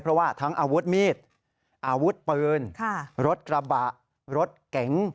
เพราะว่าทั้งอาวุธมีดอาวุธปืนรถกระบะรถเก๋ง